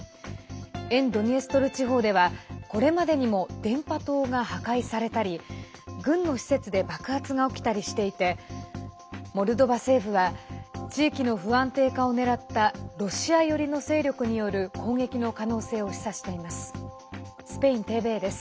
沿ドニエストル地方ではこれまでにも電波塔が破壊されたり軍の施設で爆発が起きたりしていてモルドバ政府は地域の不安定化を狙ったロシア寄りの勢力による攻撃の可能性を示唆しています。